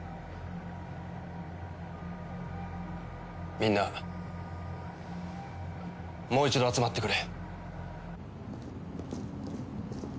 みんなもう一度集まってくれ。